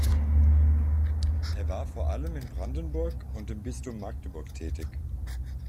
Er war vor allem in Brandenburg und im Bistum Magdeburg tätig.